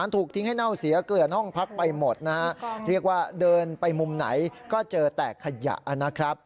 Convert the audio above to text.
ถึงกับร้อง